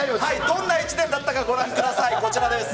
どんな一年だったか、ご覧ください、こちらです。